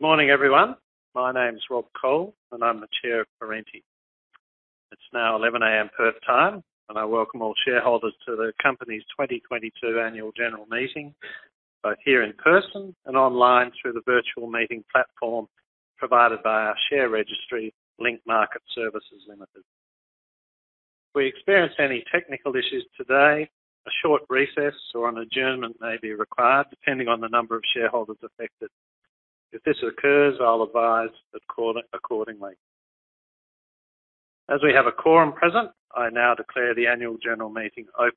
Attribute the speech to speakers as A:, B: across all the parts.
A: Good morning, everyone. My name is Rob Cole, and I'm the Chair of Perenti. It's now 11:00 A.M., Perth time, and I welcome all shareholders to the company's 2022 annual general meeting, both here in person and online through the virtual meeting platform provided by our share registry Link Market Services Limited. If we experience any technical issues today, a short recess or an adjournment may be required depending on the number of shareholders affected. If this occurs, I'll advise accordingly. As we have a quorum present, I now declare the annual general meeting open.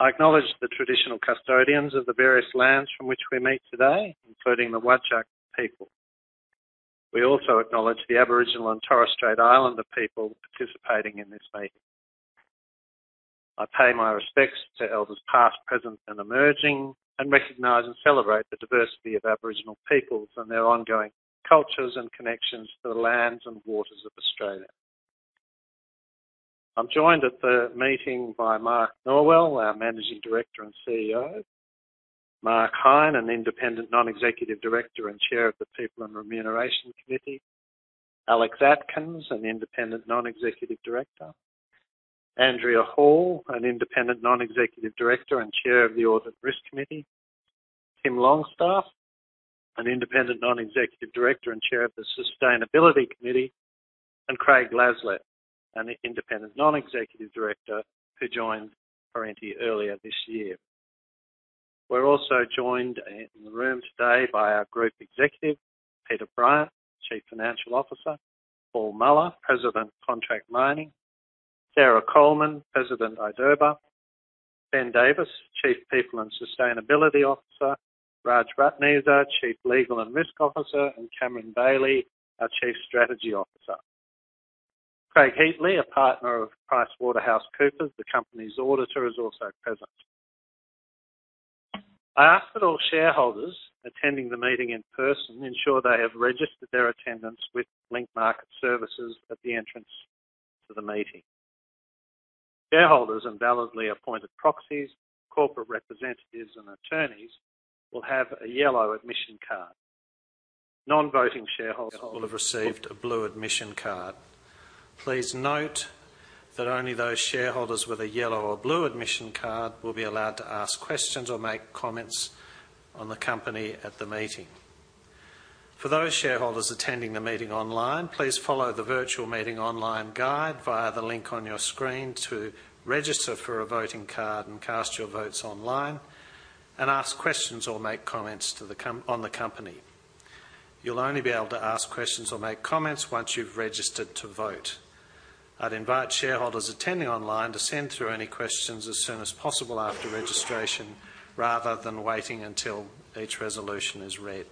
A: I acknowledge the traditional custodians of the various lands from which we meet today, including the Whadjuk people. We also acknowledge the Aboriginal and Torres Strait Islander people participating in this meeting. I pay my respects to elders past, present, and emerging, and recognize and celebrate the diversity of Aboriginal peoples and their ongoing cultures and connections to the lands and waters of Australia. I'm joined at the meeting by Mark Norwell, our Managing Director and CEO. Mark Hine, an independent non-executive director and chair of the People and Remuneration Committee. Alex Atkins, an independent non-executive director. Andrea Hall, an independent non-executive director and chair of the Audit and Risk Committee. Tim Longstaff, an independent non-executive director and chair of the Sustainability Committee, and Craig Laslett, an independent non-executive director who joined Perenti earlier this year. We're also joined in the room today by our group executive, Peter Bryant, Chief Financial Officer. Paul Muller, President, Contract Mining. Sarah Coleman, President, Idoba. Ben Davis, Chief People and Sustainability Officer. Raj Ratneser, Chief Legal and Risk Officer, and Cameron Bailey, our Chief Strategy Officer. Craig Heatley, a partner of PricewaterhouseCoopers, the company's auditor, is also present. I ask that all shareholders attending the meeting in person ensure they have registered their attendance with Link Market Services at the entrance to the meeting. Shareholders and validly appointed proxies, corporate representatives, and attorneys will have a yellow admission card. Non-voting shareholders. will have received a blue admission card. Please note that only those shareholders with a yellow or blue admission card will be allowed to ask questions or make comments on the company at the meeting. For those shareholders attending the meeting online, please follow the virtual meeting online guide via the link on your screen to register for a voting card and cast your votes online and ask questions or make comments on the company. You'll only be able to ask questions or make comments once you've registered to vote. I'd invite shareholders attending online to send through any questions as soon as possible after registration, rather than waiting until each resolution is read.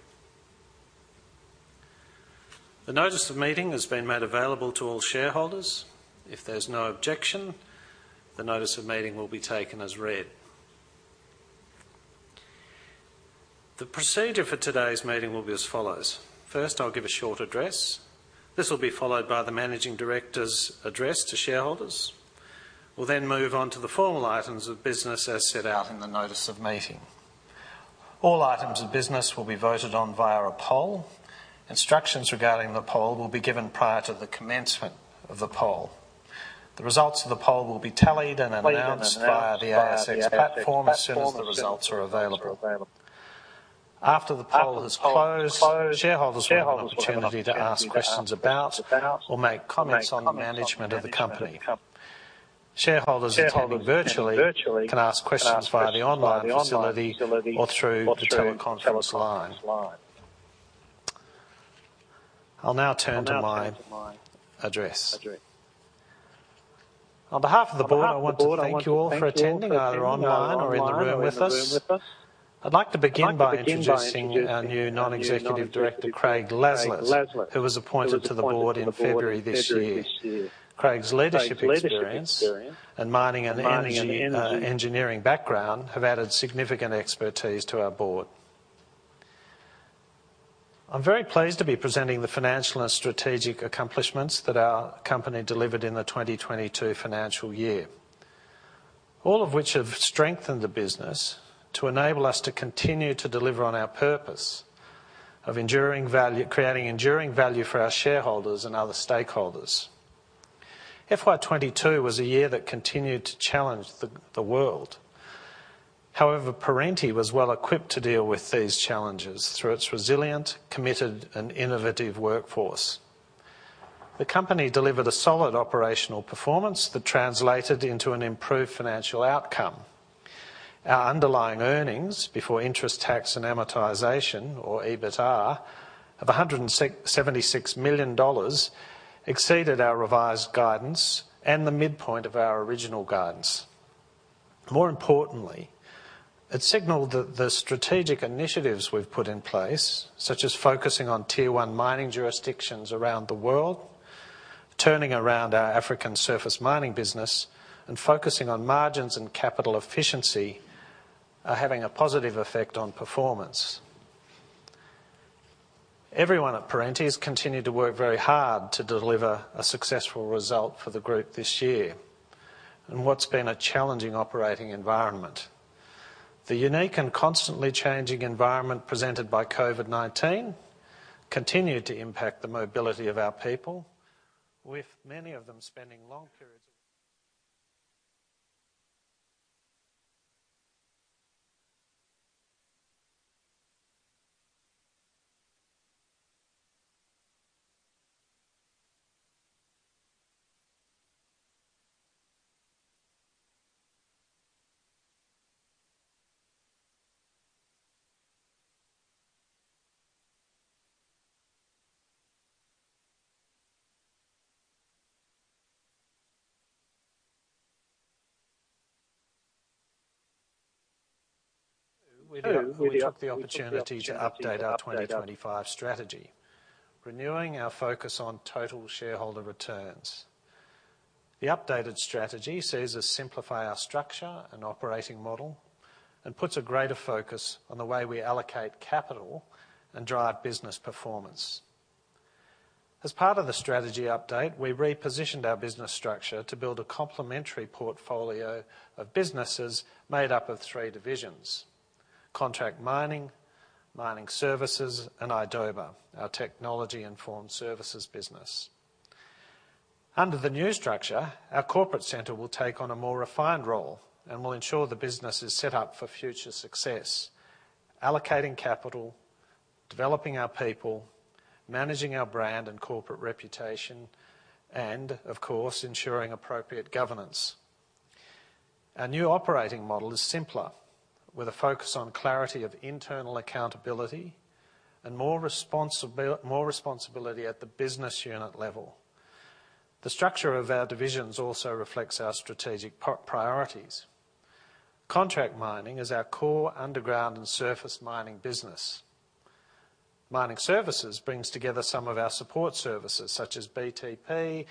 A: The notice of meeting has been made available to all shareholders. If there's no objection, the notice of meeting will be taken as read. The procedure for today's meeting will be as follows. First, I'll give a short address. This will be followed by the managing director's address to shareholders. We'll then move on to the formal items of business as set out in the notice of meeting. All items of business will be voted on via a poll. Instructions regarding the poll will be given prior to the commencement of the poll. The results of the poll will be tallied and announced via the ASX platform as soon as the results are available. After the poll has closed, shareholders will have an opportunity to ask questions about or make comments on the management of the company. Shareholders attending virtually can ask questions via the online facility or through the teleconference line. I'll now turn to my address. On behalf of the board, I want to thank you all for attending, either online or in the room with us. I'd like to begin by introducing our new Non-Executive Director, Craig Laslett, who was appointed to the Board in February this year. Craig's leadership experience in mining and energy, engineering background have added significant expertise to our Board. I'm very pleased to be presenting the financial and strategic accomplishments that our company delivered in the 2022 financial year. All of which have strengthened the business to enable us to continue to deliver on our purpose of creating enduring value for our shareholders and other stakeholders. FY 2022 was a year that continued to challenge the world. However, Perenti was well equipped to deal with these challenges through its resilient, committed, and innovative workforce. The company delivered a solid operational performance that translated into an improved financial outcome. Our underlying earnings before interest, tax, and amortization or EBITA of 176 million dollars exceeded our revised guidance and the midpoint of our original guidance. More importantly, it signaled the strategic initiatives we've put in place, such as focusing on tier one mining jurisdictions around the world, turning around our African surface mining business, and focusing on margins and capital efficiency are having a positive effect on performance. Everyone at Perenti has continued to work very hard to deliver a successful result for the group this year in what's been a challenging operating environment. The unique and constantly changing environment presented by COVID-19 continued to impact the mobility of our people. We took the opportunity to update our 2025 strategy, renewing our focus on total shareholder returns. The updated strategy sees us simplify our structure and operating model and puts a greater focus on the way we allocate capital and drive business performance. As part of the strategy update, we repositioned our business structure to build a complementary portfolio of businesses made up of three divisions, Contract Mining Services, and Idoba, our technology-informed services business. Under the new structure, our corporate center will take on a more refined role and will ensure the business is set up for future success, allocating capital, developing our people, managing our brand and corporate reputation, and of course, ensuring appropriate governance. Our new operating model is simpler, with a focus on clarity of internal accountability and more responsibility at the business unit level. The structure of our divisions also reflects our strategic priorities. Contract Mining is our core underground and surface mining business. Mining Services brings together some of our support services such as BTP,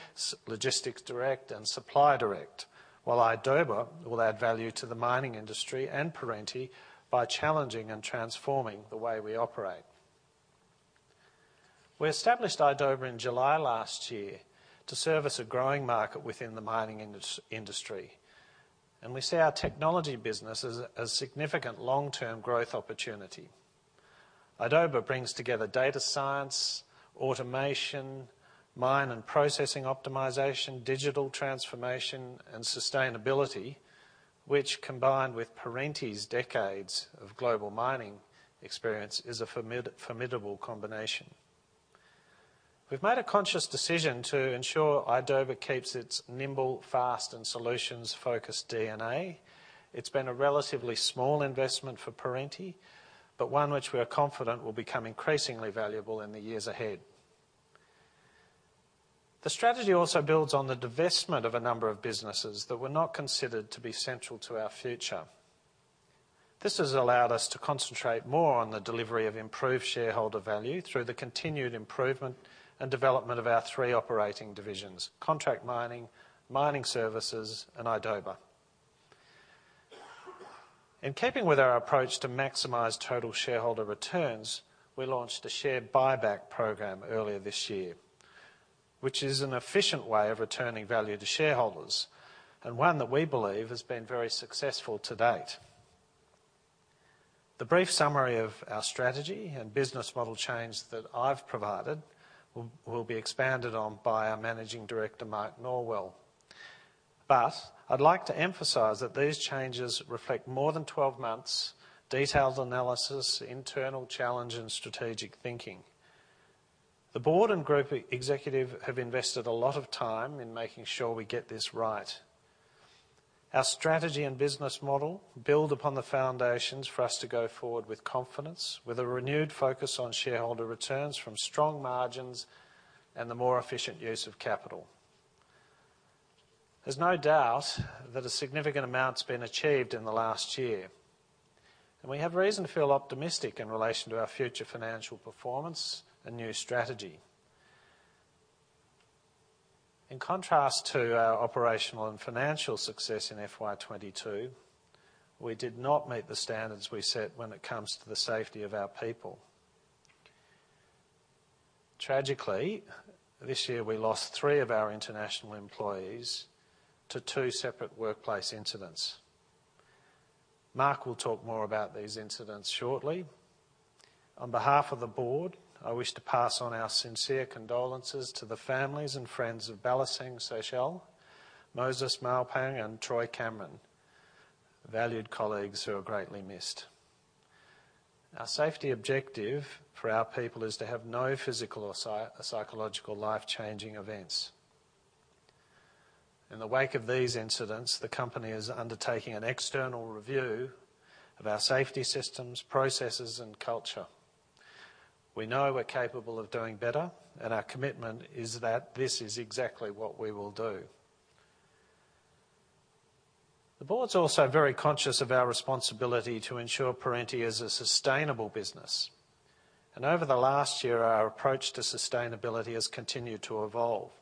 A: Logistics Direct, and Supply Direct, while Idoba will add value to the mining industry and Perenti by challenging and transforming the way we operate. We established Idoba in July last year to service a growing market within the mining industry, and we see our technology business as a significant long-term growth opportunity. Idoba brings together data science, automation, mine and processing optimization, digital transformation, and sustainability, which combined with Perenti's decades of global mining experience, is a formidable combination. We've made a conscious decision to ensure Idoba keeps its nimble, fast, and solutions-focused DNA. It's been a relatively small investment for Perenti, but one which we are confident will become increasingly valuable in the years ahead. The strategy also builds on the divestment of a number of businesses that were not considered to be central to our future. This has allowed us to concentrate more on the delivery of improved shareholder value through the continued improvement and development of our three operating divisions, Contract Mining Services, and Idoba. In keeping with our approach to maximize total shareholder returns, we launched a share buyback program earlier this year, which is an efficient way of returning value to shareholders and one that we believe has been very successful to date. The brief summary of our strategy and business model change that I've provided will be expanded on by our Managing Director, Mark Norwell. I'd like to emphasize that these changes reflect more than 12 months detailed analysis, internal challenge, and strategic thinking. The board and group executive have invested a lot of time in making sure we get this right. Our strategy and business model build upon the foundations for us to go forward with confidence, with a renewed focus on shareholder returns from strong margins and the more efficient use of capital. There's no doubt that a significant amount's been achieved in the last year, and we have reason to feel optimistic in relation to our future financial performance and new strategy. In contrast to our operational and financial success in FY 2022, we did not meet the standards we set when it comes to the safety of our people. Tragically, this year, we lost three of our international employees to two separate workplace incidents. Mark will talk more about these incidents shortly. On behalf of the board, I wish to pass on our sincere condolences to the families and friends of Balesang Tshechele, Moses Mapung, and Troy Cameron, valued colleagues who are greatly missed. Our safety objective for our people is to have no physical or psychological life-changing events. In the wake of these incidents, the company is undertaking an external review of our safety systems, processes, and culture. We know we're capable of doing better, and our commitment is that this is exactly what we will do. The board's also very conscious of our responsibility to ensure Perenti is a sustainable business. Over the last year, our approach to sustainability has continued to evolve.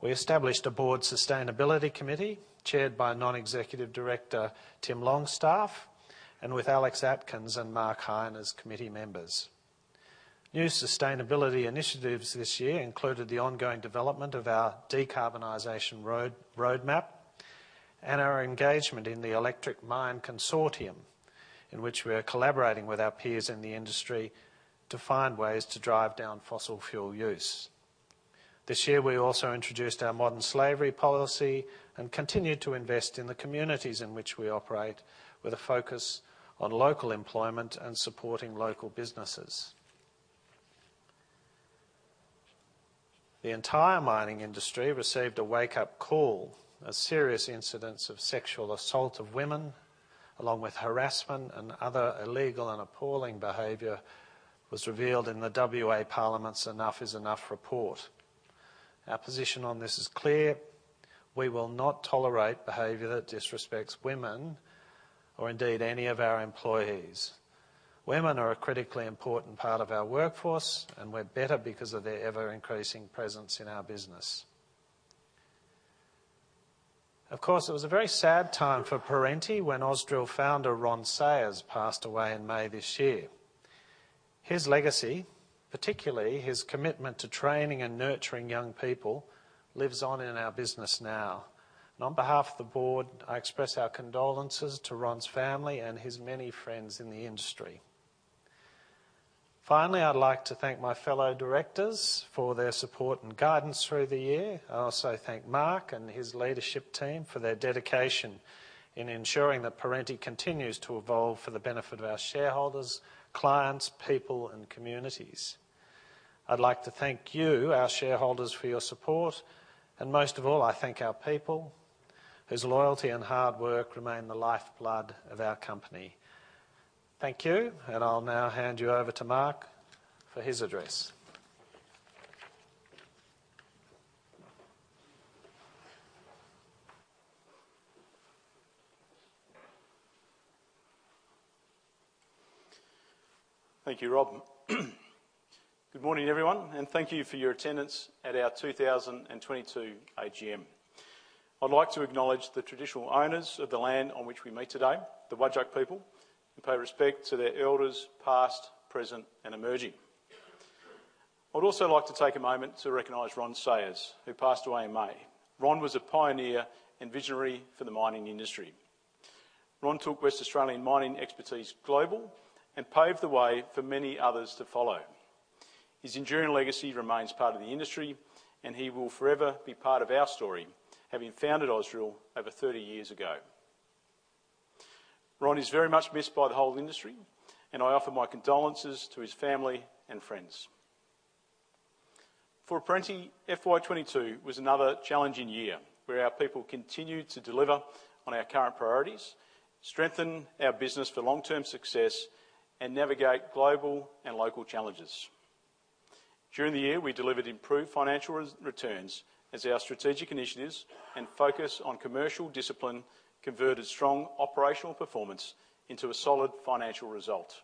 A: We established a Board Sustainability Committee chaired by Non-Executive Director Tim Longstaff, and with Alex Atkins and Mark Hine as committee members. New sustainability initiatives this year included the ongoing development of our decarbonization roadmap and our engagement in the Electric Mine Consortium, in which we are collaborating with our peers in the industry to find ways to drive down fossil fuel use. This year, we also introduced our modern slavery policy and continued to invest in the communities in which we operate, with a focus on local employment and supporting local businesses. The entire mining industry received a wake-up call as serious incidents of sexual assault of women, along with harassment and other illegal and appalling behavior, was revealed in the WA Parliament's Enough is Enough report. Our position on this is clear. We will not tolerate behavior that disrespects women or indeed any of our employees. Women are a critically important part of our workforce, and we're better because of their ever-increasing presence in our business. Of course, it was a very sad time for Perenti when Ausdrill founder Ron Sayers passed away in May this year. His legacy, particularly his commitment to training and nurturing young people, lives on in our business now. On behalf of the board, I express our condolences to Ron's family and his many friends in the industry. Finally, I'd like to thank my fellow directors for their support and guidance through the year. I also thank Mark and his leadership team for their dedication in ensuring that Perenti continues to evolve for the benefit of our shareholders, clients, people and communities. I'd like to thank you, our shareholders, for your support, and most of all, I thank our people whose loyalty and hard work remain the lifeblood of our company. Thank you, and I'll now hand you over to Mark for his address.
B: Thank you, Rob. Good morning, everyone, and thank you for your attendance at our 2022 AGM. I'd like to acknowledge the traditional owners of the land on which we meet today, the Whadjuk people, and pay respect to their elders, past, present and emerging. I'd also like to take a moment to recognize Ron Sayers, who passed away in May. Ron was a pioneer and visionary for the mining industry. Ron took Western Australian mining expertise global and paved the way for many others to follow. His enduring legacy remains part of the industry, and he will forever be part of our story, having founded Ausdrill over 30 years ago. Ron is very much missed by the whole industry, and I offer my condolences to his family and friends. For Perenti, FY 2022 was another challenging year where our people continued to deliver on our current priorities, strengthen our business for long-term success, and navigate global and local challenges. During the year, we delivered improved financial returns as our strategic initiatives and focus on commercial discipline converted strong operational performance into a solid financial result.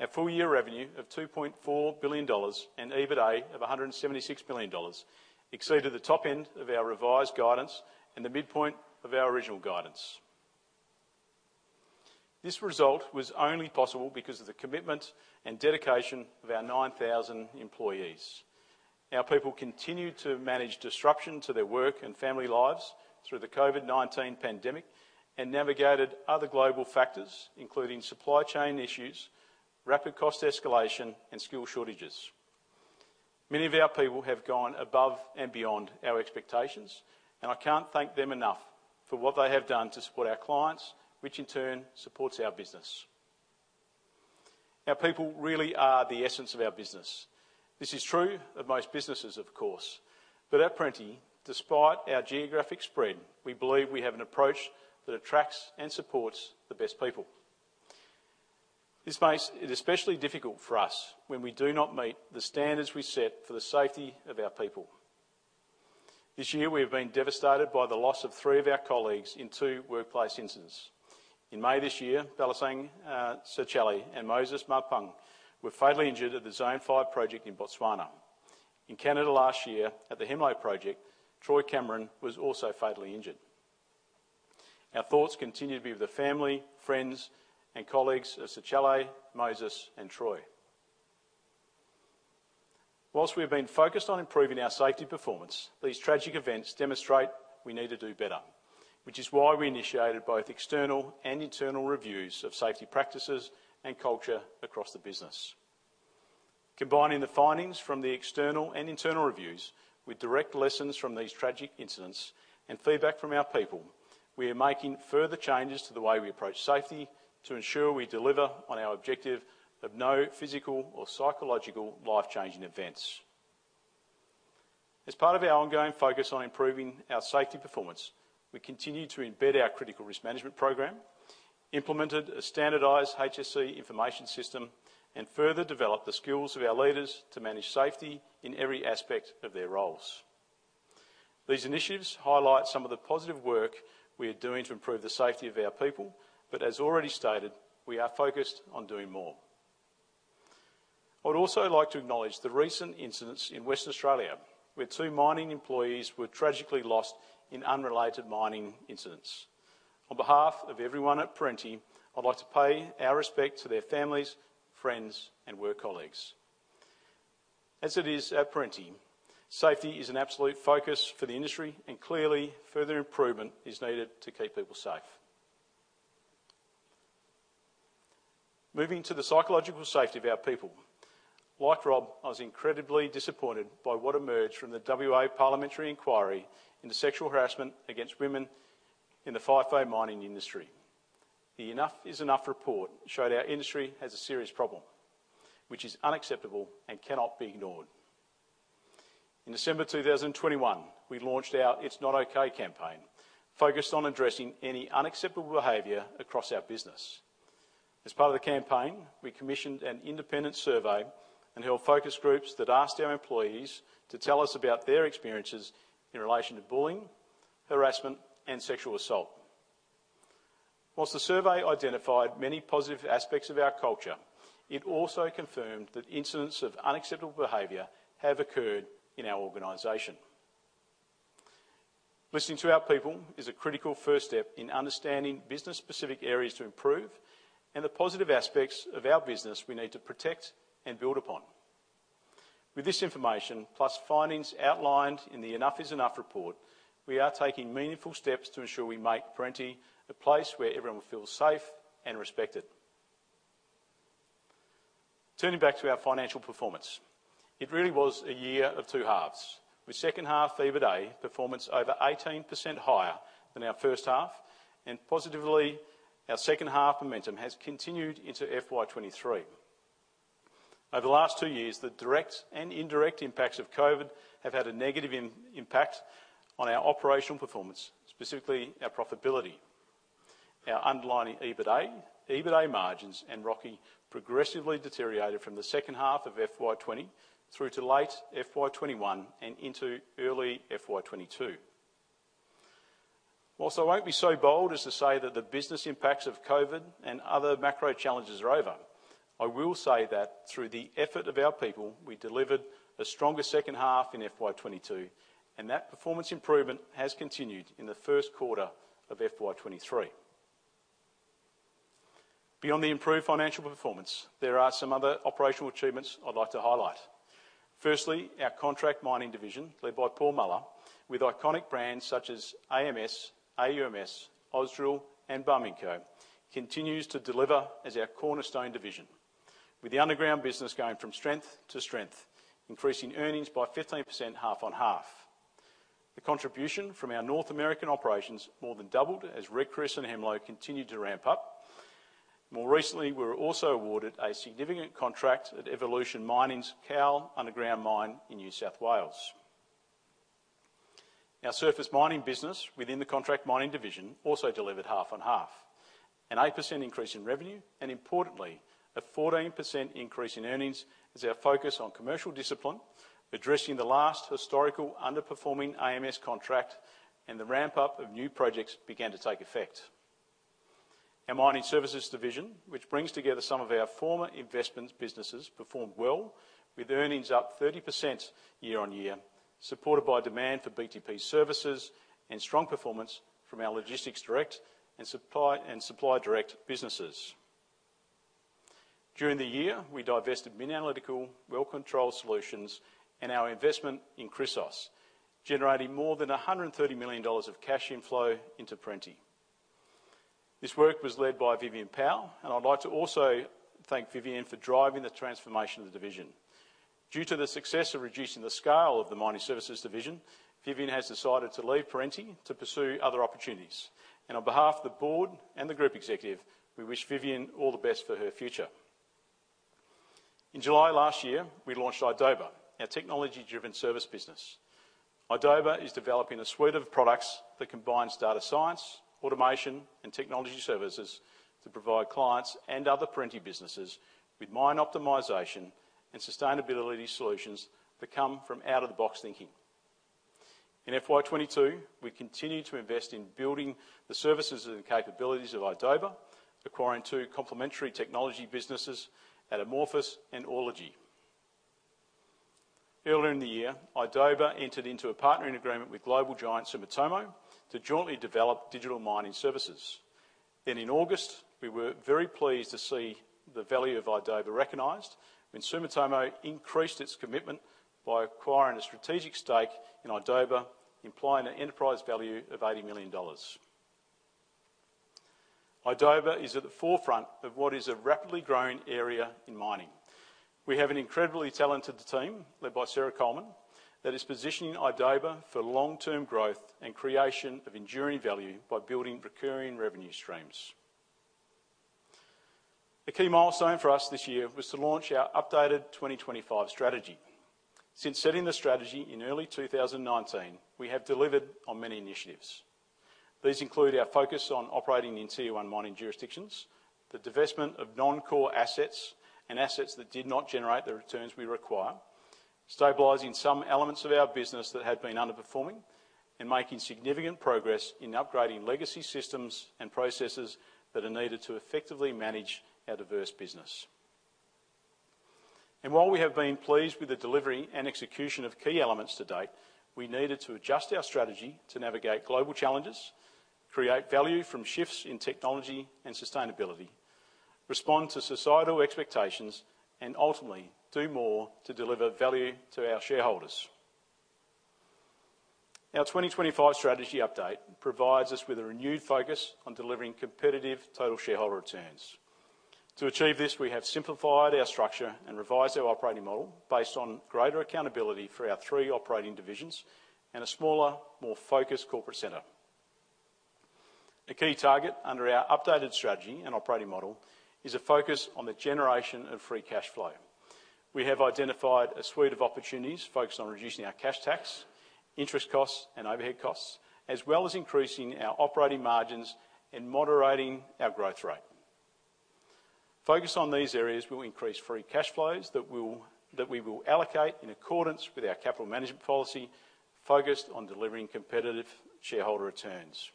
B: Our full-year revenue of 2.4 billion dollars and EBITA of 176 million dollars exceeded the top end of our revised guidance and the midpoint of our original guidance. This result was only possible because of the commitment and dedication of our 9,000 employees. Our people continued to manage disruption to their work and family lives through the COVID-19 pandemic and navigated other global factors, including supply chain issues, rapid cost escalation and skill shortages. Many of our people have gone above and beyond our expectations, and I can't thank them enough for what they have done to support our clients, which in turn supports our business. Our people really are the essence of our business. This is true of most businesses, of course. At Perenti, despite our geographic spread, we believe we have an approach that attracts and supports the best people. This makes it especially difficult for us when we do not meet the standards we set for the safety of our people. This year we have been devastated by the loss of three of our colleagues in two workplace incidents. In May this year, Balesang Tshechele and Moses Mapung were fatally injured at the Zone Five project in Botswana. In Canada last year at the Hemlo project, Troy Cameron was also fatally injured. Our thoughts continue to be with the family, friends and colleagues of Balesang Tshechele, Moses Mapung and Troy Cameron. While we've been focused on improving our safety performance, these tragic events demonstrate we need to do better, which is why we initiated both external and internal reviews of safety practices and culture across the business. Combining the findings from the external and internal reviews with direct lessons from these tragic incidents and feedback from our people, we are making further changes to the way we approach safety to ensure we deliver on our objective of no physical or psychological life-changing events. As part of our ongoing focus on improving our safety performance, we continue to embed our critical risk management program, implemented a standardized HSE information system, and further develop the skills of our leaders to manage safety in every aspect of their roles. These initiatives highlight some of the positive work we are doing to improve the safety of our people. As already stated, we are focused on doing more. I would also like to acknowledge the recent incidents in Western Australia, where two mining employees were tragically lost in unrelated mining incidents. On behalf of everyone at Perenti, I'd like to pay our respect to their families, friends, and work colleagues. As it is at Perenti, safety is an absolute focus for the industry and clearly further improvement is needed to keep people safe. Moving to the psychological safety of our people. Like Rob, I was incredibly disappointed by what emerged from the WA Parliamentary inquiry into sexual harassment against women in the FIFO mining industry. The Enough is Enough report showed our industry has a serious problem, which is unacceptable and cannot be ignored. In December 2021, we launched our It's Not Okay campaign, focused on addressing any unacceptable behavior across our business. As part of the campaign, we commissioned an independent survey and held focus groups that asked our employees to tell us about their experiences in relation to bullying, harassment, and sexual assault. While the survey identified many positive aspects of our culture, it also confirmed that incidents of unacceptable behavior have occurred in our organization. Listening to our people is a critical first step in understanding business-specific areas to improve and the positive aspects of our business we need to protect and build upon. With this information, plus findings outlined in the Enough is Enough report, we are taking meaningful steps to ensure we make Perenti a place where everyone will feel safe and respected. Turning back to our financial performance. It really was a year of two halves, with second half EBITDA performance over 18% higher than our first half, and positively, our second half momentum has continued into FY 2023. Over the last two years, the direct and indirect impacts of COVID have had a negative impact on our operational performance, specifically our profitability. Our underlying EBITDA margins and ROIC progressively deteriorated from the second half of FY 2020 through to late FY 2021 and into early FY 2022. While I won't be so bold as to say that the business impacts of COVID and other macro challenges are over, I will say that through the effort of our people, we delivered a stronger second half in FY 2022, and that performance improvement has continued in the first quarter of FY 2023. Beyond the improved financial performance, there are some other operational achievements I'd like to highlight. Firstly, our contract mining division, led by Paul Muller, with iconic brands such as AMS, AUMS, Ausdrill and Barminco, continues to deliver as our cornerstone division, with the underground business going from strength to strength, increasing earnings by 15% half-on-half. The contribution from our North American operations more than doubled as Red Chris and Hemlo continued to ramp up. More recently, we were also awarded a significant contract at Evolution Mining's Cowal Underground Mine in New South Wales. Our surface mining business within the contract mining division also delivered half-on-half. An 8% increase in revenue and importantly, a 14% increase in earnings as our focus on commercial discipline, addressing the last historical underperforming AMS contract and the ramp-up of new projects began to take effect. Our mining services division, which brings together some of our former investments businesses, performed well with earnings up 30% year-on-year, supported by demand for BTP services and strong performance from our Logistics Direct and Supply Direct businesses. During the year, we divested MinAnalytical Well Control Solutions and our investment in Chrysos, generating more than 130 million dollars of cash inflow into Perenti. This work was led by Vivienne Powell, and I'd like to also thank Vivienne for driving the transformation of the division. Due to the success of reducing the scale of the mining services division, Vivienne has decided to leave Perenti to pursue other opportunities. On behalf of the board and the group executive, we wish Vivienne all the best for her future. In July last year, we launched Idoba, our technology-driven service business. Idoba is developing a suite of products that combines data science, automation, and technology services to provide clients and other Perenti businesses with mine optimization and sustainability solutions that come from out-of-the-box thinking. In FY 2022, we continued to invest in building the services and capabilities of Idoba, acquiring two complementary technology businesses, Atomorphis and Orelogy. Earlier in the year, Idoba entered into a partnering agreement with global giant Sumitomo to jointly develop digital mining services. In August, we were very pleased to see the value of Idoba recognized when Sumitomo increased its commitment by acquiring a strategic stake in Idoba, implying an enterprise value of 80 million dollars. Idoba is at the forefront of what is a rapidly growing area in mining. We have an incredibly talented team, led by Sarah Coleman, that is positioning Idoba for long-term growth and creation of enduring value by building recurring revenue streams. A key milestone for us this year was to launch our updated 2025 strategy. Since setting the strategy in early 2019, we have delivered on many initiatives. These include our focus on operating in tier one mining jurisdictions, the divestment of non-core assets and assets that did not generate the returns we require, stabilizing some elements of our business that had been underperforming, and making significant progress in upgrading legacy systems and processes that are needed to effectively manage our diverse business. While we have been pleased with the delivery and execution of key elements to date, we needed to adjust our strategy to navigate global challenges, create value from shifts in technology and sustainability, respond to societal expectations, and ultimately, do more to deliver value to our shareholders. Our 2025 strategy update provides us with a renewed focus on delivering competitive total shareholder returns. To achieve this, we have simplified our structure and revised our operating model based on greater accountability for our three operating divisions and a smaller, more focused corporate center. A key target under our updated strategy and operating model is a focus on the generation of free cash flow. We have identified a suite of opportunities focused on reducing our cash tax, interest costs, and overhead costs, as well as increasing our operating margins and moderating our growth rate. Focus on these areas will increase free cash flows that we will allocate in accordance with our capital management policy focused on delivering competitive shareholder returns.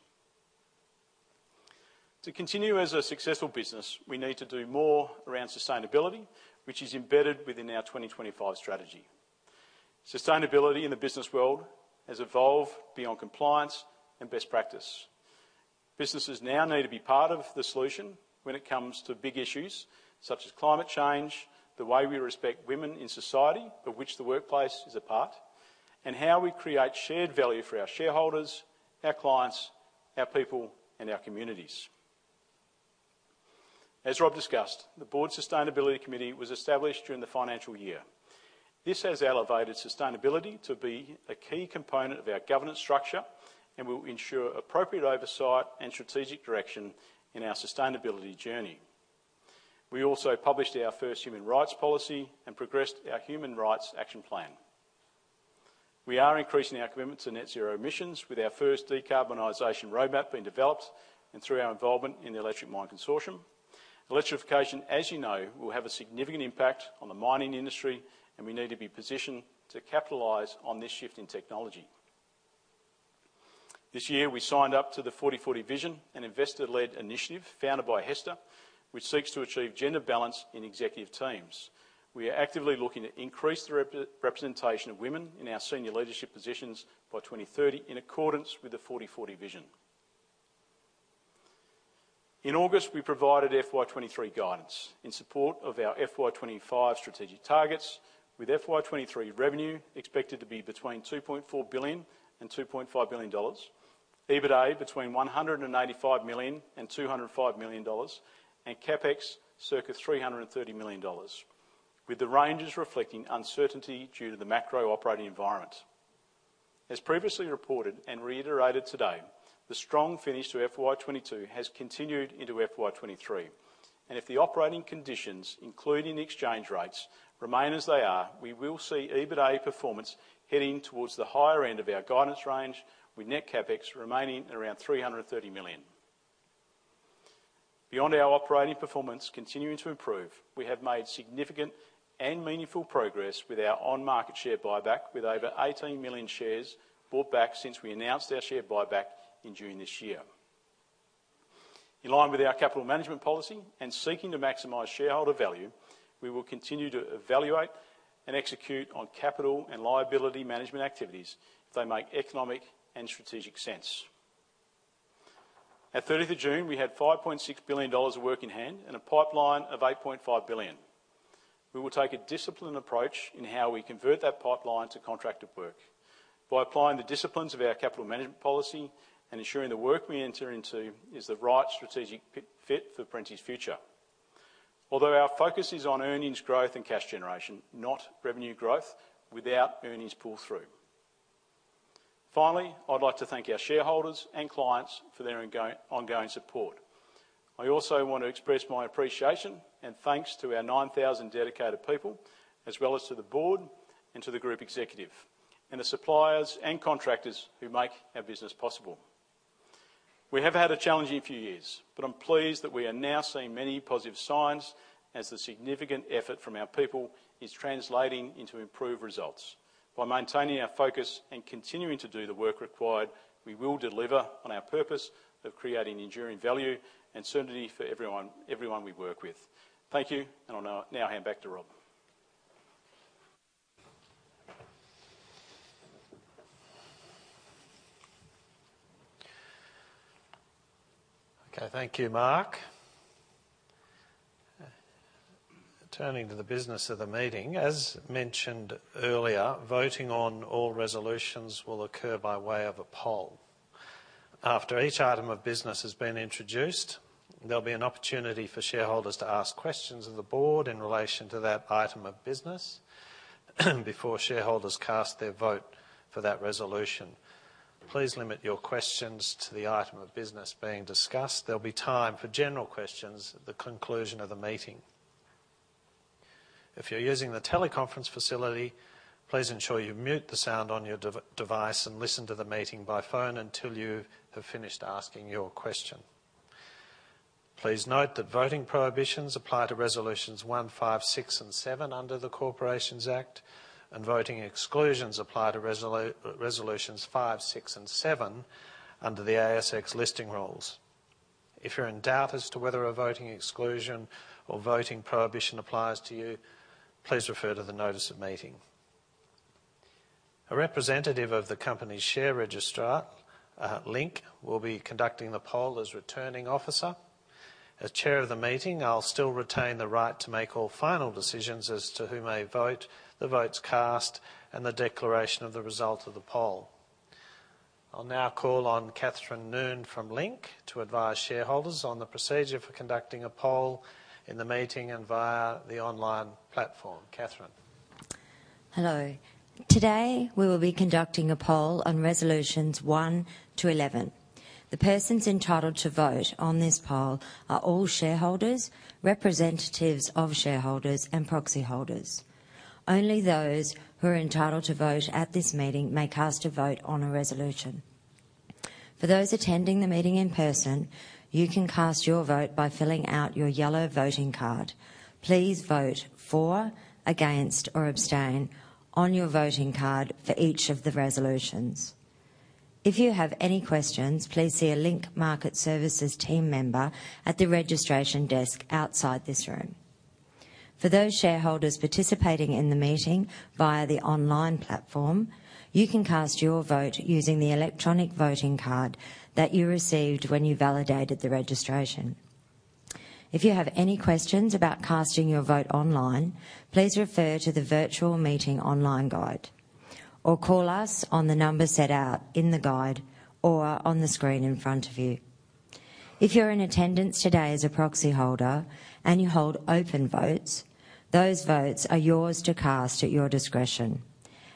B: To continue as a successful business, we need to do more around sustainability, which is embedded within our 2025 strategy. Sustainability in the business world has evolved beyond compliance and best practice. Businesses now need to be part of the solution when it comes to big issues such as climate change, the way we respect women in society of which the workplace is a part, and how we create shared value for our shareholders, our clients, our people, and our communities. As Rob discussed, the Board Sustainability Committee was established during the financial year. This has elevated sustainability to be a key component of our governance structure and will ensure appropriate oversight and strategic direction in our sustainability journey. We also published our first human rights policy and progressed our human rights action plan. We are increasing our commitment to net zero emissions with our first decarbonization roadmap being developed and through our involvement in the Electric Mine Consortium. Electrification, as you know, will have a significant impact on the mining industry, and we need to be positioned to capitalize on this shift in technology. This year, we signed up to the 40:40 Vision, an investor-led initiative founded by HESTA, which seeks to achieve gender balance in executive teams. We are actively looking to increase the representation of women in our senior leadership positions by 2030 in accordance with the 40:40 Vision. In August, we provided FY 2023 guidance in support of our FY 2025 strategic targets, with FY 2023 revenue expected to be between 2.4 billion and 2.5 billion dollars, EBITDA between 185 million and 205 million dollars, and CapEx circa 330 million dollars, with the ranges reflecting uncertainty due to the macro operating environment. As previously reported and reiterated today, the strong finish to FY 2022 has continued into FY 2023, and if the operating conditions, including the exchange rates, remain as they are, we will see EBITDA performance heading towards the higher end of our guidance range, with net CapEx remaining at around 330 million. Beyond our operating performance continuing to improve, we have made significant and meaningful progress with our on-market share buyback, with over 18 million shares bought back since we announced our share buyback in June this year. In line with our capital management policy and seeking to maximize shareholder value, we will continue to evaluate and execute on capital and liability management activities if they make economic and strategic sense. At 30th of June, we had 5.6 billion dollars of work in hand and a pipeline of 8.5 billion. We will take a disciplined approach in how we convert that pipeline to contracted work by applying the disciplines of our capital management policy and ensuring the work we enter into is the right strategic fit for Perenti future. Although our focus is on earnings growth and cash generation, not revenue growth without earnings pull-through. Finally, I'd like to thank our shareholders and clients for their ongoing support. I also want to express my appreciation and thanks to our 9,000 dedicated people as well as to the board and to the group executive and the suppliers and contractors who make our business possible. We have had a challenging few years, but I'm pleased that we are now seeing many positive signs as the significant effort from our people is translating into improved results. By maintaining our focus and continuing to do the work required, we will deliver on our purpose of creating enduring value and certainty for everyone we work with. Thank you, and I'll now hand back to Rob.
A: Okay, thank you, Mark. Turning to the business of the meeting, as mentioned earlier, voting on all resolutions will occur by way of a poll. After each item of business has been introduced, there'll be an opportunity for shareholders to ask questions of the board in relation to that item of business before shareholders cast their vote for that resolution. Please limit your questions to the item of business being discussed. There'll be time for general questions at the conclusion of the meeting. If you're using the teleconference facility, please ensure you mute the sound on your device and listen to the meeting by phone until you have finished asking your question. Please note that voting prohibitions apply to resolutions 1, 5, 6 and 7 under the Corporations Act, and voting exclusions apply to resolutions 5, 6 and 7 under the ASX Listing Rules. If you're in doubt as to whether a voting exclusion or voting prohibition applies to you, please refer to the notice of meeting. A representative of the company's share registrar, Link, will be conducting the poll as returning officer. As chair of the meeting, I'll still retain the right to make all final decisions as to who may vote, the votes cast, and the declaration of the result of the poll. I'll now call on Catherine Noone from Link to advise shareholders on the procedure for conducting a poll in the meeting and via the online platform. Catherine? Hello. Today, we will be conducting a poll on resolutions 1-11. The persons entitled to vote on this poll are all shareholders, representatives of shareholders, and proxy holders. Only those who are entitled to vote at this meeting may cast a vote on a resolution. For those attending the meeting in person, you can cast your vote by filling out your yellow voting card. Please vote for, against, or abstain on your voting card for each of the resolutions. If you have any questions, please see a Link Market Services team member at the registration desk outside this room. For those shareholders participating in the meeting via the online platform, you can cast your vote using the electronic voting card that you received when you validated the registration. If you have any questions about casting your vote online, please refer to the virtual meeting online guide or call us on the number set out in the guide or on the screen in front of you. If you're in attendance today as a proxy holder and you hold open votes, those votes are yours to cast at your discretion,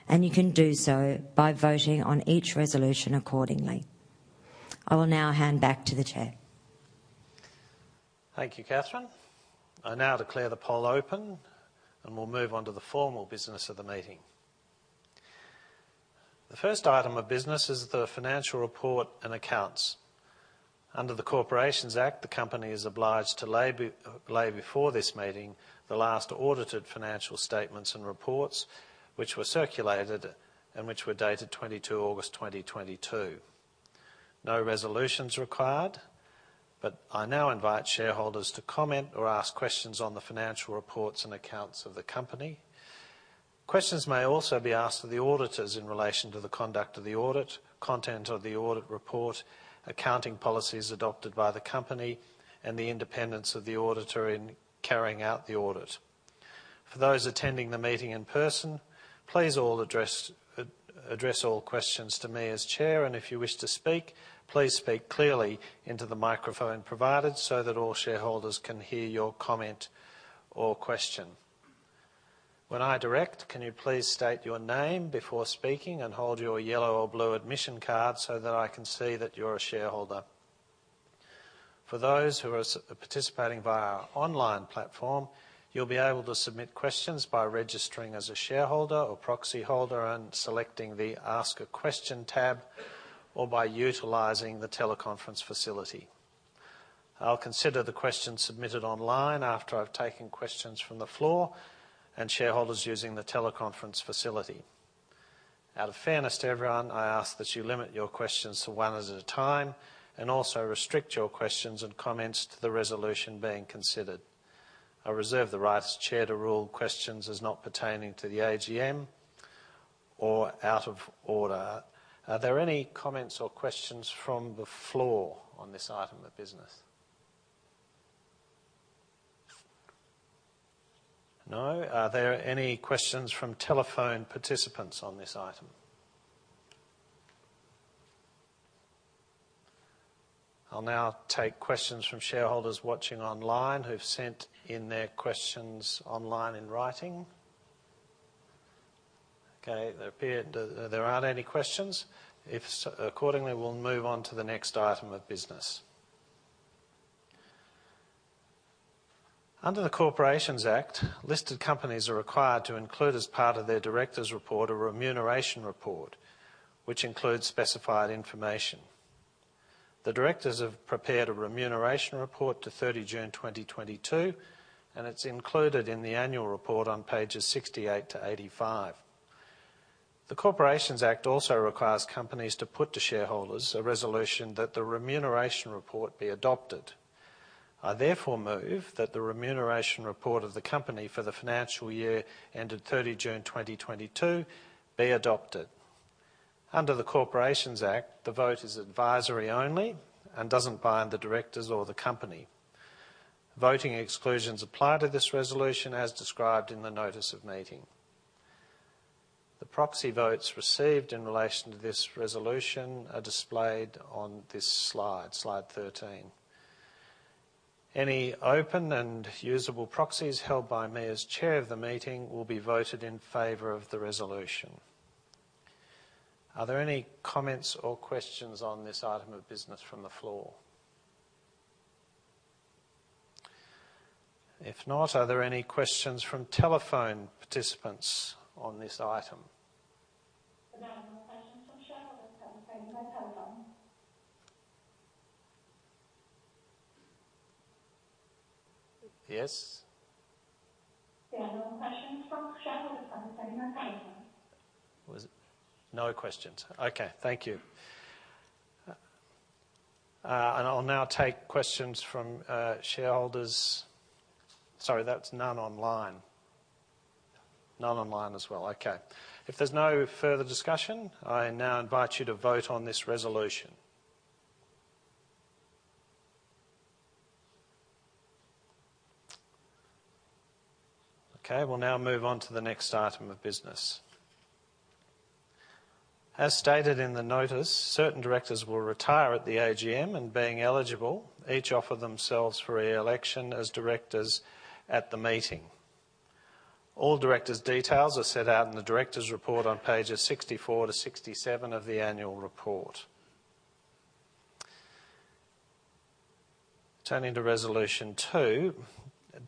A: and you can do so by voting on each resolution accordingly. I will now hand back to the chair. Thank you, Catherine. I now declare the poll open, and we'll move on to the formal business of the meeting. The first item of business is the financial report and accounts. Under the Corporations Act, the company is obliged to lay before this meeting the last audited financial statements and reports which were circulated and which were dated 22 August 2022. No resolution's required, but I now invite shareholders to comment or ask questions on the financial reports and accounts of the company. Questions may also be asked of the auditors in relation to the conduct of the audit, content of the audit report, accounting policies adopted by the company, and the independence of the auditor in carrying out the audit. For those attending the meeting in person, please all address all questions to me as Chair, and if you wish to speak, please speak clearly into the microphone provided so that all shareholders can hear your comment or question. When I direct, can you please state your name before speaking and hold your yellow or blue admission card so that I can see that you're a shareholder. For those who are participating via our online platform, you'll be able to submit questions by registering as a shareholder or proxy holder and selecting the Ask a Question tab or by utilizing the teleconference facility. I'll consider the questions submitted online after I've taken questions from the floor and shareholders using the teleconference facility. Out of fairness to everyone, I ask that you limit your questions to one at a time and also restrict your questions and comments to the resolution being considered. I reserve the right as chair to rule questions as not pertaining to the AGM or out of order. Are there any comments or questions from the floor on this item of business? No. Are there any questions from telephone participants on this item? I'll now take questions from shareholders watching online who've sent in their questions online in writing. Okay. It appeared there aren't any questions. Accordingly, we'll move on to the next item of business. Under the Corporations Act, listed companies are required to include as part of their director's report a remuneration report which includes specified information. The directors have prepared a remuneration report to 30 June 2022, and it's included in the annual report on pages 68-85. The Corporations Act also requires companies to put to shareholders a resolution that the remuneration report be adopted. I therefore move that the remuneration report of the company for the financial year ended 30 June 2022 be adopted. Under the Corporations Act, the vote is advisory only and doesn't bind the directors or the company. Voting exclusions apply to this resolution as described in the notice of meeting. The proxy votes received in relation to this resolution are displayed on this slide 13. Any open and usable proxies held by me as chair of the meeting will be voted in favor of the resolution. Are there any comments or questions on this item of business from the floor? If not, are there any questions from telephone participants on this item?
C: Any more telephone?
A: Yes.
C: There are no questions from shareholders participating by telephone.
A: No questions. Okay. Thank you. I'll now take questions from shareholders. Sorry, that's none online. None online as well. Okay. If there's no further discussion, I now invite you to vote on this resolution. Okay. We'll now move on to the next item of business. As stated in the notice, certain directors will retire at the AGM, and being eligible, each offer themselves for re-election as directors at the meeting. All directors' details are set out in the directors' report on pages 64 to 67 of the annual report. Turning to resolution two.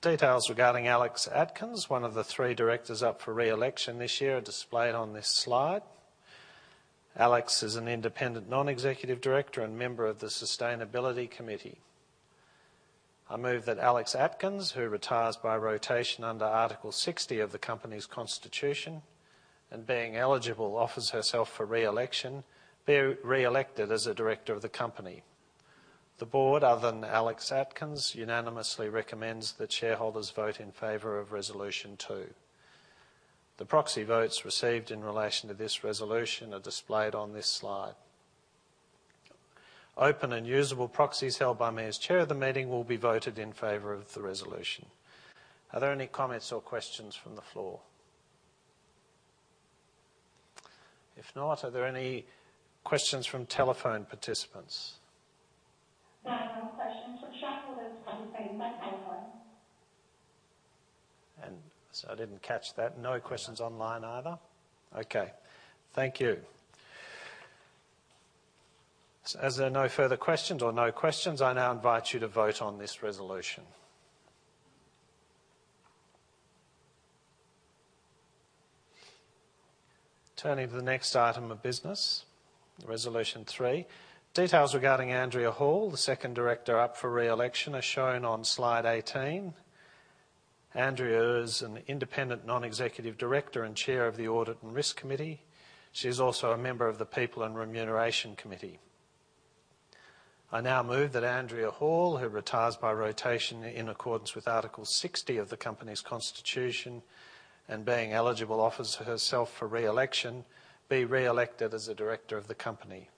A: Details regarding Alex Atkins, one of the three directors up for re-election this year, are displayed on this slide. Alex is an Independent Non-Executive Director and member of the Sustainability Committee. I move that Alex Atkins, who retires by rotation under Article 60 of the Company's Constitution, and being eligible offers herself for re-election, be re-elected as a director of the company. The board, other than Alex Atkins, unanimously recommends that shareholders vote in favor of resolution 2. The proxy votes received in relation to this resolution are displayed on this slide. Open and usable proxies held by me as Chair of the meeting will be voted in favor of the resolution. Are there any comments or questions from the floor? If not, are there any questions from telephone participants?
C: There are no questions from shareholders participating by telephone.
A: I didn't catch that. No questions online either? Okay. Thank you. As there are no further questions, I now invite you to vote on this resolution. Turning to the next item of business, resolution 3. Details regarding Andrea Hall, the second director up for re-election, are shown on slide 18. Andrea is an independent non-executive director and Chair of the Audit and Risk Committee. She's also a member of the People and Remuneration Committee. I now move that Andrea Hall, who retires by rotation in accordance with Article 60 of the Company's Constitution and, being eligible, offers herself for re-election, be re-elected as a director of the company.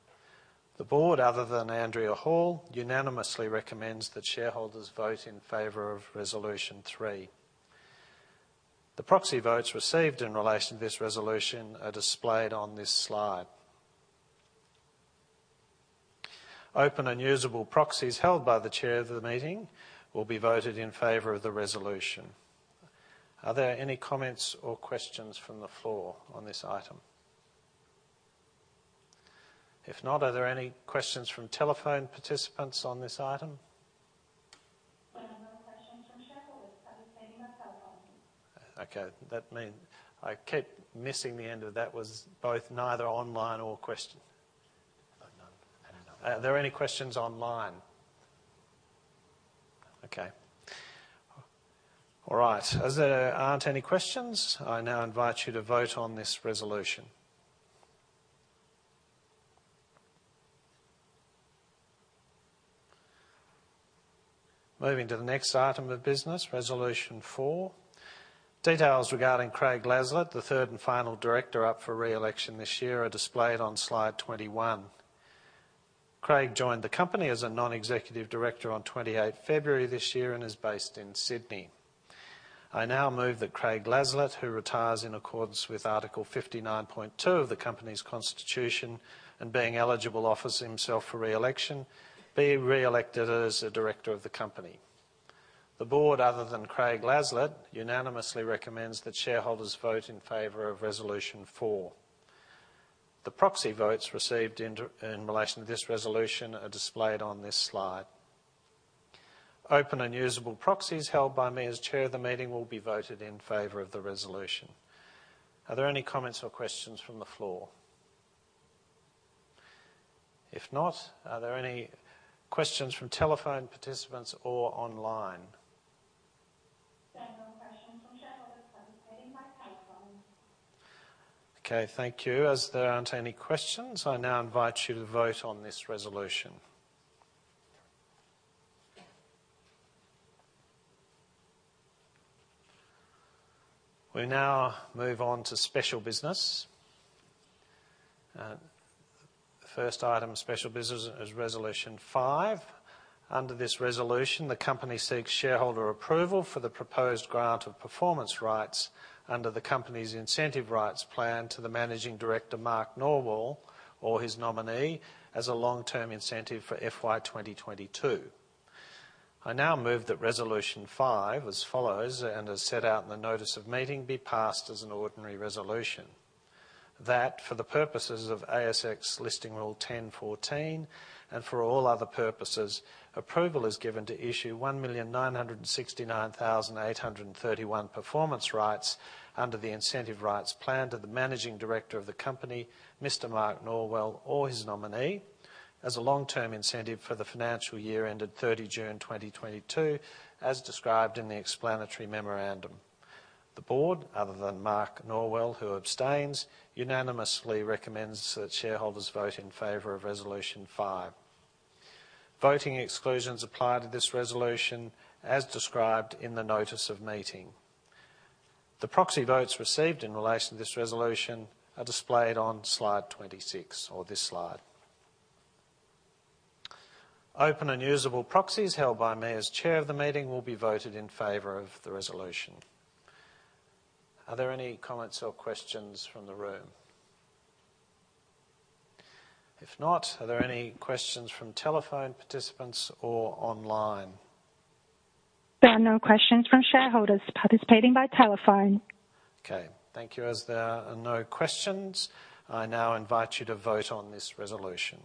A: The Board, other than Andrea Hall, unanimously recommends that shareholders vote in favor of resolution 3. The proxy votes received in relation to this resolution are displayed on this slide. Open and usable proxies held by the Chair of the meeting will be voted in favor of the resolution. Are there any comments or questions from the floor on this item? If not, are there any questions from telephone participants on this item?
C: There are no questions from shareholders participating by telephone.
A: Okay. That means I keep missing the end of that.
C: Oh, no.
A: Are there any questions online? Okay. All right. As there aren't any questions, I now invite you to vote on this resolution. Moving to the next item of business, resolution four. Details regarding Craig Laslett, the third and final director up for re-election this year, are displayed on slide 21. Craig joined the company as a non-executive director on 28 February this year and is based in Sydney. I now move that Craig Laslett, who retires in accordance with Article 59.2 of the Company's Constitution, and being eligible offers himself for re-election, be re-elected as a director of the company. The board, other than Craig Laslett, unanimously recommends that shareholders vote in favor of resolution four. The proxy votes received in relation to this resolution are displayed on this slide. Open and usable proxies held by me as Chair of the meeting will be voted in favor of the resolution. Are there any comments or questions from the floor? If not, are there any questions from telephone participants or online?
C: There are no questions from shareholders participating by telephone.
A: Okay, thank you. As there aren't any questions, I now invite you to vote on this resolution. We now move on to special business. The first item of special business is resolution five. Under this resolution, the company seeks shareholder approval for the proposed grant of performance rights under the company's incentive rights plan to the Managing Director, Mark Norwell, or his nominee, as a long-term incentive for FY 2022. I now move that resolution five as follows, and as set out in the notice of meeting, be passed as an ordinary resolution. That for the purposes of ASX Listing Rule 10.14, and for all other purposes, approval is given to issue 1,969,831 performance rights under the incentive rights plan to the Managing Director of the company, Mr. Mark Norwell, or his nominee, as a long-term incentive for the financial year ended 30 June 2022, as described in the explanatory memorandum. The Board, other than Mark Norwell, who abstains, unanimously recommends that shareholders vote in favor of Resolution 5. Voting exclusions apply to this resolution as described in the notice of meeting. The proxy votes received in relation to this resolution are displayed on slide 26, or this slide. Open and usable proxies held by me as Chair of the meeting will be voted in favor of the resolution. Are there any comments or questions from the room? If not, are there any questions from telephone participants or online? There are no questions from shareholders participating by telephone. Okay. Thank you. As there are no questions, I now invite you to vote on this resolution.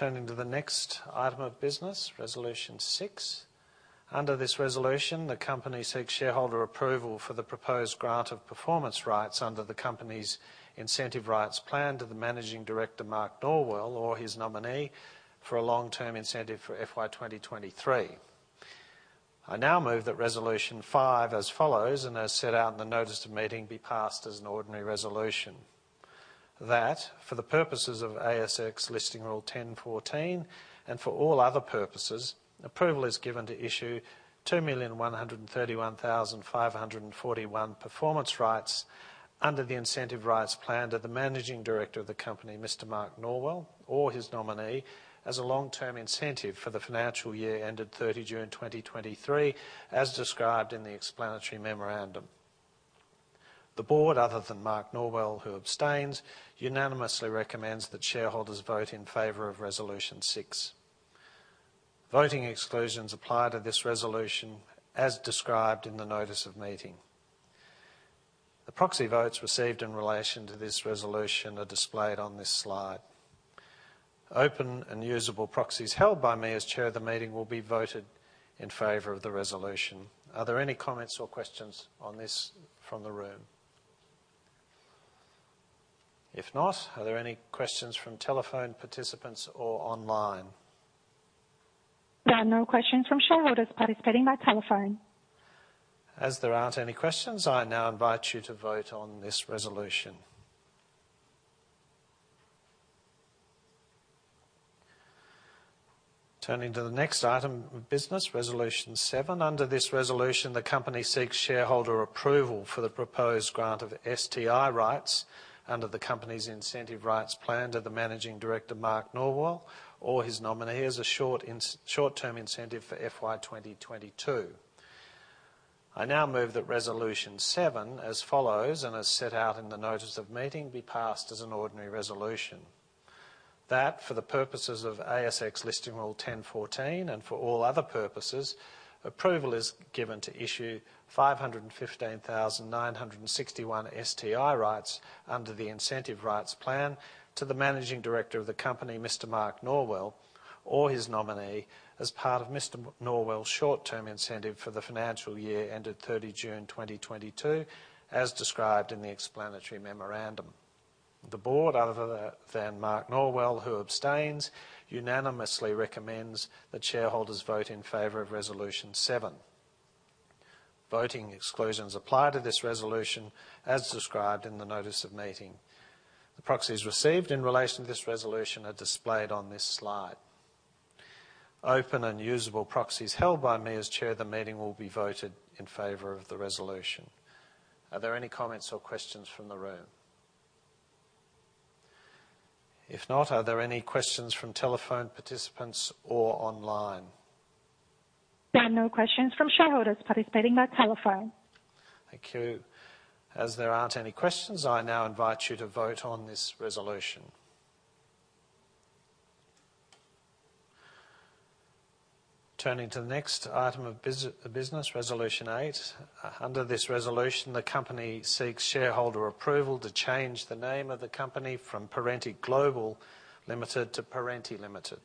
A: Turning to the next item of business, resolution 6. Under this resolution, the company seeks shareholder approval for the proposed grant of performance rights under the company's incentive rights plan to the Managing Director, Mark Norwell or his nominee, for a long-term incentive for FY 2023. I now move that resolution 5 as follows, and as set out in the notice of meeting, be passed as an ordinary resolution. That for the purposes of ASX Listing Rule 10.14, and for all other purposes, approval is given to issue 2,131,541 performance rights under the incentive rights plan to the Managing Director of the company, Mr. Mark Norwell or his nominee, as a long-term incentive for the financial year ended 30 June 2023, as described in the explanatory memorandum. The board, other than Mark Norwell, who abstains, unanimously recommends that shareholders vote in favor of resolution 6. Voting exclusions apply to this resolution as described in the notice of meeting. The proxy votes received in relation to this resolution are displayed on this slide. Open and usable proxies held by me as chair of the meeting will be voted in favor of the resolution. Are there any comments or questions on this from the room? If not, are there any questions from telephone participants or online? There are no questions from shareholders participating by telephone. As there aren't any questions, I now invite you to vote on this resolution. Turning to the next item of business, Resolution 7. Under this resolution, the company seeks shareholder approval for the proposed grant of STI rights under the company's incentive rights plan to the Managing Director, Mark Norwell or his nominee, as a short-term incentive for FY 2022. I now move that Resolution 7 as follows, and as set out in the notice of meeting, be passed as an ordinary resolution. That for the purposes of ASX Listing Rule 10.14, and for all other purposes, approval is given to issue 515,961 STI rights under the incentive rights plan to the Managing Director of the company, Mr. Mark Norwell or his nominee, as part of Mr. Norwell's short-term incentive for the financial year ended 30 June 2022, as described in the explanatory memorandum. The board, other than Mark Norwell, who abstains, unanimously recommends that shareholders vote in favor of resolution 7. Voting exclusions apply to this resolution as described in the notice of meeting. The proxies received in relation to this resolution are displayed on this slide. Open and usable proxies held by me as chair of the meeting will be voted in favor of the resolution. Are there any comments or questions from the room? If not, are there any questions from telephone participants or online? There are no questions from shareholders participating by telephone. Thank you. As there aren't any questions, I now invite you to vote on this resolution. Turning to the next item of business, resolution 8. Under this resolution, the company seeks shareholder approval to change the name of the company from Perenti Global Limited to Perenti Limited.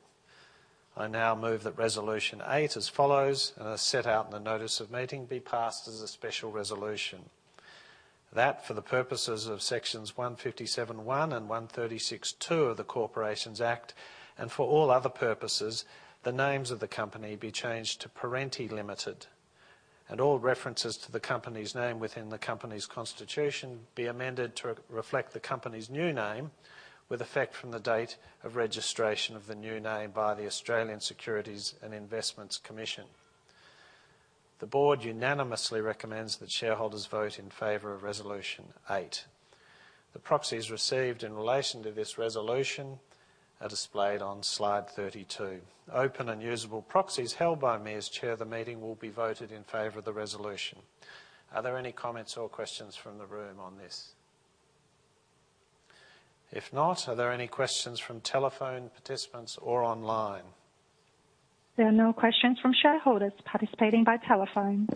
A: I now move that resolution 8 as follows, and as set out in the notice of meeting, be passed as a special resolution. That, for the purposes of sections 157(1) and 136(2) of the Corporations Act, and for all other purposes, the name of the company be changed to Perenti Limited, and all references to the company's name within the company's constitution be amended to reflect the company's new name with effect from the date of registration of the new name by the Australian Securities and Investments Commission. The board unanimously recommends that shareholders vote in favor of resolution 8. The proxies received in relation to this resolution are displayed on slide 32. Open and usable proxies held by me as chair of the meeting will be voted in favor of the resolution. Are there any comments or questions from the room on this? If not, are there any questions from telephone participants or online? There are no questions from shareholders participating by telephone.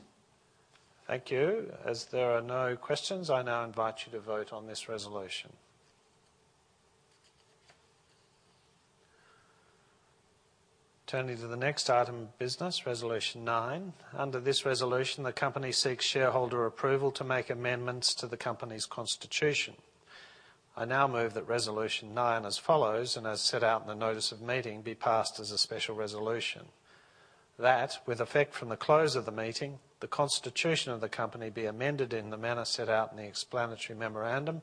A: Thank you. As there are no questions, I now invite you to vote on this resolution. Turning to the next item of business, Resolution 9. Under this resolution, the company seeks shareholder approval to make amendments to the company's constitution. I now move that Resolution 9 as follows, and as set out in the notice of meeting, be passed as a special resolution. That, with effect from the close of the meeting, the constitution of the company be amended in the manner set out in the explanatory memorandum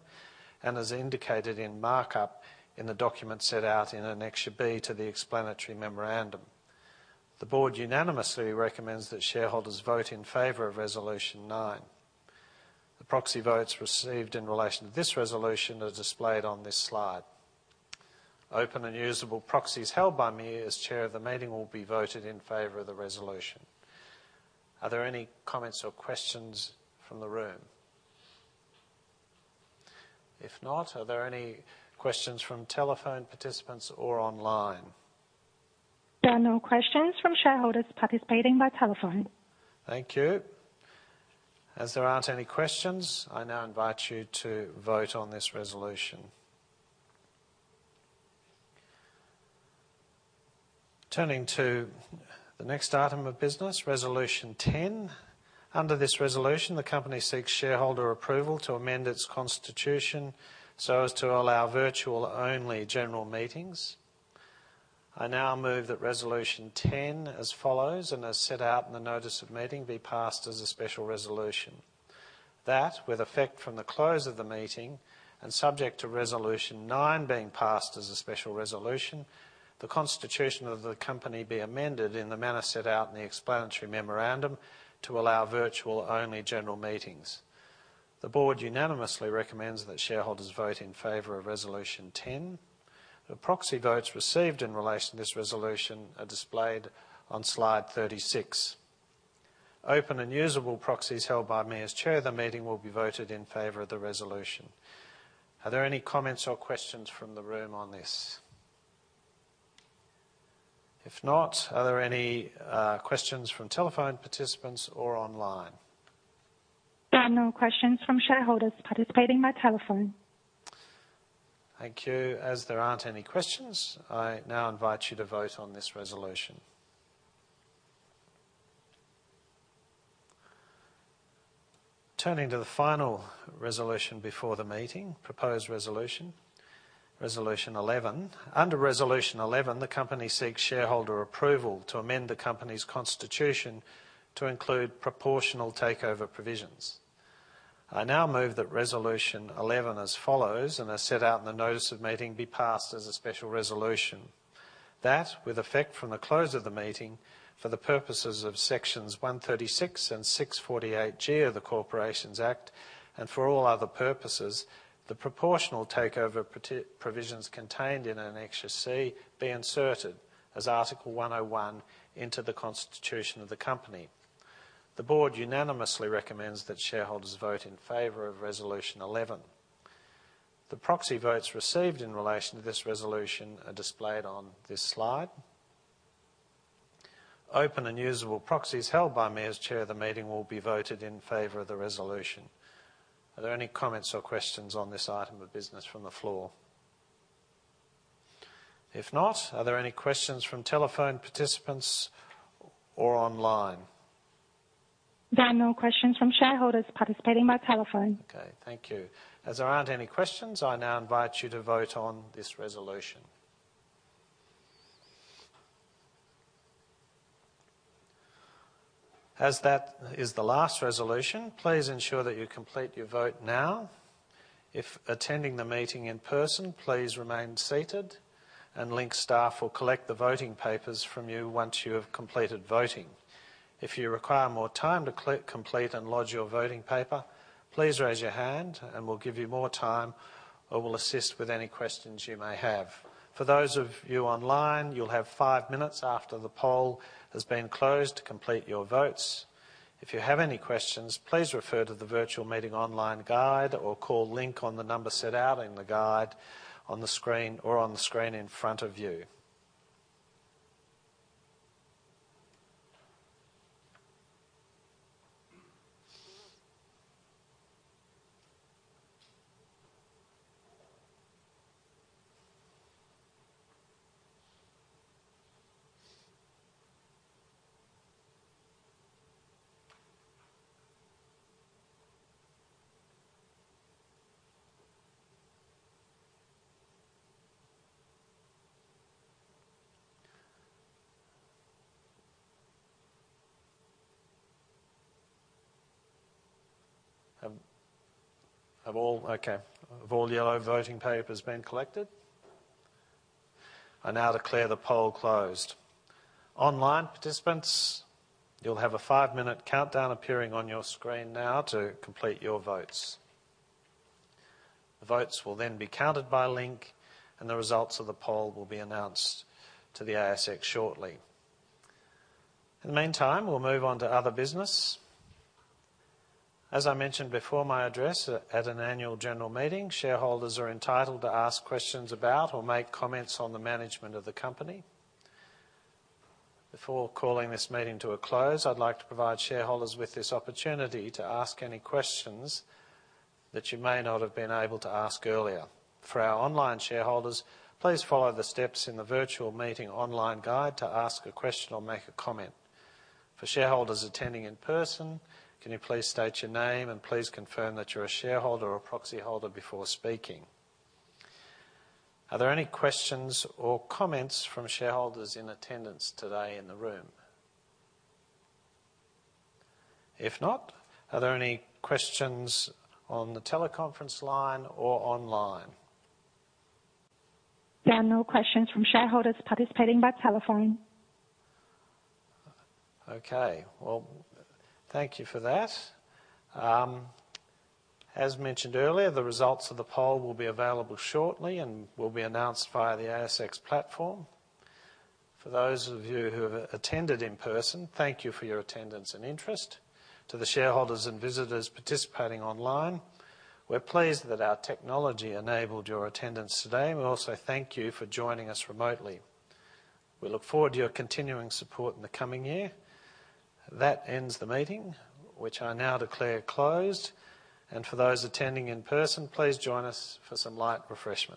A: and as indicated in markup in the document set out in Annexure B to the explanatory memorandum. The board unanimously recommends that shareholders vote in favor of Resolution 9. The proxy votes received in relation to this resolution are displayed on this slide. Open and usable proxies held by me as chair of the meeting will be voted in favor of the resolution. Are there any comments or questions from the room? If not, are there any questions from telephone participants or online? There are no questions from shareholders participating by telephone. Thank you. As there aren't any questions, I now invite you to vote on this resolution. Turning to the next item of business, resolution 10. Under this resolution, the company seeks shareholder approval to amend its constitution so as to allow virtual-only general meetings. I now move that resolution 10 as follows, and as set out in the notice of meeting, be passed as a special resolution. That, with effect from the close of the meeting, and subject to resolution 9 being passed as a special resolution, the constitution of the company be amended in the manner set out in the explanatory memorandum to allow virtual-only general meetings. The board unanimously recommends that shareholders vote in favor of resolution 10. The proxy votes received in relation to this resolution are displayed on slide 36. Open and usable proxies held by me as chair of the meeting will be voted in favor of the resolution. Are there any comments or questions from the room on this? If not, are there any questions from telephone participants or online? There are no questions from shareholders participating by telephone. Thank you. As there aren't any questions, I now invite you to vote on this resolution. Turning to the final resolution before the meeting, proposed resolution, Resolution 11. Under Resolution 11, the company seeks shareholder approval to amend the company's constitution to include proportional takeover provisions. I now move that Resolution 11 as follows, and as set out in the notice of meeting, be passed as a special resolution. That, with effect from the close of the meeting, for the purposes of sections 136 and 648G of the Corporations Act, and for all other purposes, the proportional takeover provisions contained in Annexure C be inserted as Article 101 into the constitution of the company. The board unanimously recommends that shareholders vote in favor of Resolution 11. The proxy votes received in relation to this resolution are displayed on this slide. Open and usable proxies held by me as chair of the meeting will be voted in favor of the resolution. Are there any comments or questions on this item of business from the floor? If not, are there any questions from telephone participants or online? There are no questions from shareholders participating by telephone. Okay, thank you. As there aren't any questions, I now invite you to vote on this resolution. As that is the last resolution, please ensure that you complete your vote now. If attending the meeting in person, please remain seated, and Link staff will collect the voting papers from you once you have completed voting. If you require more time to complete and lodge your voting paper, please raise your hand and we'll give you more time, or we'll assist with any questions you may have. For those of you online, you'll have five minutes after the poll has been closed to complete your votes. If you have any questions, please refer to the Virtual Meeting Online Guide or call Link on the number set out in the guide on the screen or on the screen in front of you. Okay. Have all yellow voting papers been collected? I now declare the poll closed. Online participants, you'll have a five-minute countdown appearing on your screen now to complete your votes. The votes will then be counted by Link, and the results of the poll will be announced to the ASX shortly. In the meantime, we'll move on to other business. As I mentioned before my address, at an annual general meeting, shareholders are entitled to ask questions about or make comments on the management of the company. Before calling this meeting to a close, I'd like to provide shareholders with this opportunity to ask any questions that you may not have been able to ask earlier. For our online shareholders, please follow the steps in the Virtual Meeting Online Guide to ask a question or make a comment. For shareholders attending in person, can you please state your name and please confirm that you're a shareholder or proxyholder before speaking? Are there any questions or comments from shareholders in attendance today in the room? If not, are there any questions on the teleconference line or online? There are no questions from shareholders participating by telephone. Okay. Well, thank you for that. As mentioned earlier, the results of the poll will be available shortly and will be announced via the ASX platform. For those of you who have attended in person, thank you for your attendance and interest. To the shareholders and visitors participating online, we're pleased that our technology enabled your attendance today, and we also thank you for joining us remotely. We look forward to your continuing support in the coming year. That ends the meeting, which I now declare closed, and for those attending in person, please join us for some light refreshments.